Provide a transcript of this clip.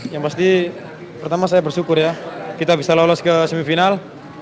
yang pasti pertama saya bersyukur ya kita bisa lolos ke semifinal